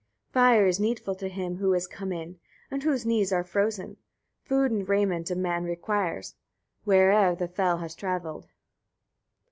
3. Fire is needful to him who is come in, and whose knees are frozen; food and raiment a man requires, wheo'er the fell has travelled.